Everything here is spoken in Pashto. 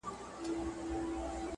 غټ قدونه کوچني دي محمده